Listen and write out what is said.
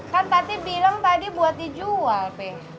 kan tadi bilang tadi buat dijual p